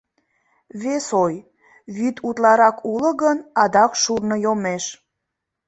Вес ой: вӱд утларак уло гын, адак шурно йомеш.